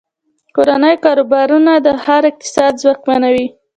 کورني کاروبارونه د ښار اقتصاد ځواکمنوي.